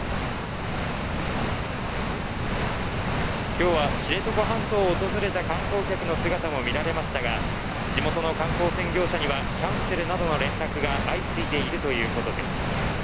今日は知床半島を訪れた観光客の姿も見られましたが地元の観光船業者にはキャンセルなどの連絡が相次いでいるということです